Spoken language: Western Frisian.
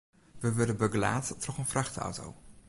We wurde begelaat troch in frachtauto.